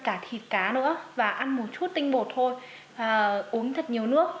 mình ăn cả thịt cá nữa và ăn một chút tinh bột thôi uống thật nhiều nước